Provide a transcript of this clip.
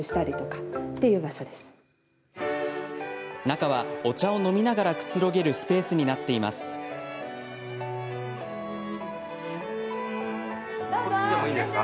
中は、お茶を飲みながらくつろげるスペースになっています。